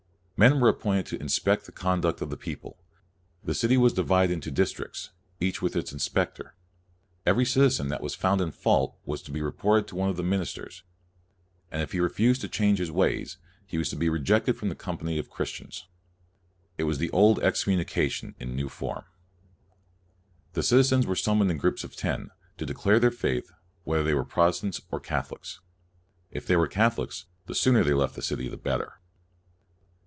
Men were appointed to inspect the con duct of the people. The city was divided into districts, each with its inspector. Every citizen who was found in fault was to be reported to one of the ministers, and if he refused to change his ways he was to be rejected from the company of Chris tians. It was the old excommunication in a new form. The citizens were summoned in groups of ten, to declare their faith, whether they were Protestants or Catholics. If they were Catholics, the sooner they left the city the better.